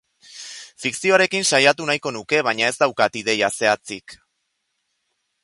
Fikzioarekin saiatu nahiko nuke, baina ez daukat ideia zehatzik.